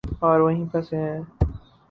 اور وہیں پھنسے ہیں۔